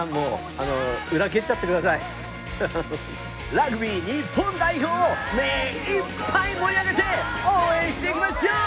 ラグビー日本代表を目いっぱい盛り上げて応援していきましょう！